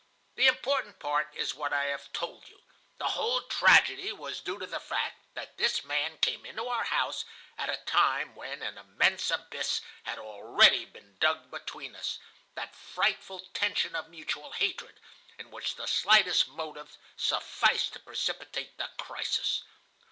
The important part is what I have told you. The whole tragedy was due to the fact that this man came into our house at a time when an immense abyss had already been dug between us, that frightful tension of mutual hatred, in which the slightest motive sufficed to precipitate the crisis.